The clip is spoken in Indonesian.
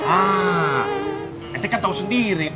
ah etik kan tahu sendiri